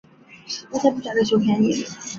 路易十一。